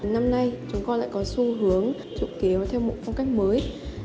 năm nay chúng con lại có xu hướng chụp kỷ yếu theo một phong cách mới